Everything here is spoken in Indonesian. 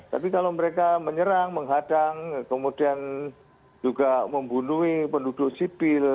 tapi kalau mereka menyerang menghadang kemudian juga membunuh penduduk sipil